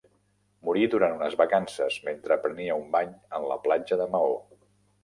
Morí durant unes vacances, mentre prenia un bany en la platja de Maó.